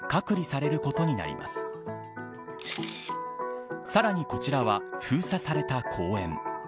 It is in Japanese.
さらにこちらは封鎖された公園。